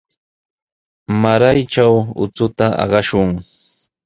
Mutrkatraw uchuta aqashun.